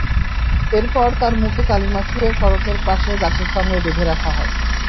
এরপর তাঁর মুখে কালি মাখিয়ে সড়কের পাশে গাছের সঙ্গে বেঁধে রাখা হয়।